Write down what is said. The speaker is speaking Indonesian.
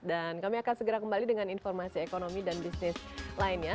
dan kami akan segera kembali dengan informasi ekonomi dan bisnis lainnya